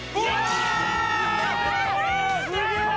すげえ！